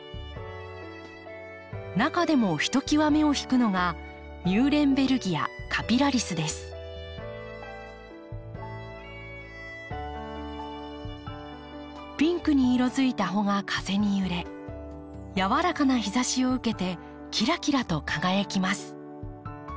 中でもひときわ目を引くのがピンクに色づいた穂が風に揺れ柔らかな日ざしを受けてきらきらと輝きます。